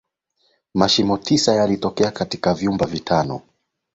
mashimo sita yalitokea katika vyumba vitano